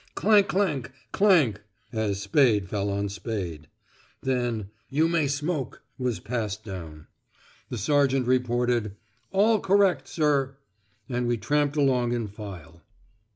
"Clank clank, clank," as spade fell on spade. Then, "You may smoke" was passed down. The sergeant reported "All correct, Sir!" and we tramped along in file.